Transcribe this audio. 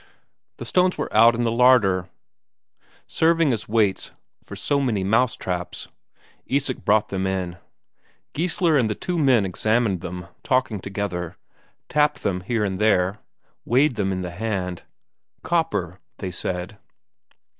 The stones were out in the larder, serving as weights for so many mouse traps; Isak brought them in. Geissler and the two men examined them, talking together, tapped them here and there, weighed them in the hand. "Copper," they said.